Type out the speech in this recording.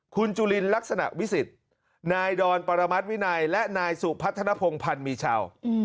คุณจุลินลักษณะวิสิทธิ์นายดอนปรมัติวินัยและนายสุพัฒนภงพันธ์มีชาว